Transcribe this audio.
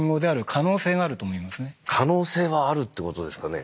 可能性はあるってことですかね。